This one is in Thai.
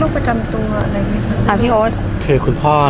ภาษาสนิทยาลัยสุดท้าย